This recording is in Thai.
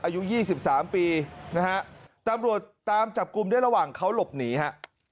อายุ๒๓ปีนะฮะตำรวจตามจับกลุ่มได้ระหว่างเขาหลบหนีฮะ